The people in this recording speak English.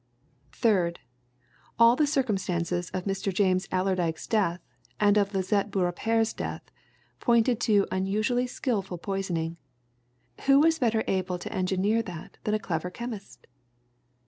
"Third. All the circumstances of Mr. James Allerdyke's death, and of Lisette Beaurepaire's death, pointed to unusually skillful poisoning. Who was better able to engineer that than a clever chemist?